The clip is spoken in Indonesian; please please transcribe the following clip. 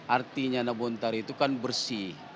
artinya nabontar itu kan bersih